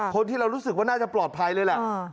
คนที่เรารู้สึกว่าน่าจะปลอดภัยเลยแหละ